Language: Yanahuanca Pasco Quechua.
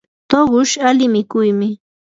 tuqushu ali mikuymi.